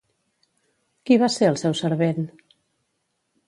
Qui va ser el seu servent?